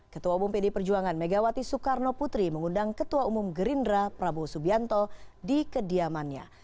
ketua umum pd perjuangan megawati soekarno putri mengundang ketua umum gerindra prabowo subianto di kediamannya